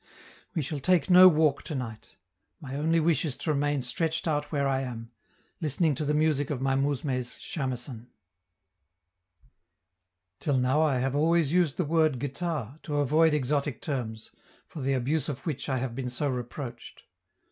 We shall take no walk to night; my only wish is to remain stretched out where I am, listening to the music of my mousme's 'chamecen'. Till now I have always used the word guitar, to avoid exotic terms, for the abuse of which I have been so reproached.